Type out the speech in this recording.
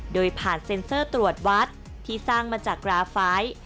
โดยผ่านเซ็นเซอร์ตรวจวัดที่สร้างมาจากราไฟล์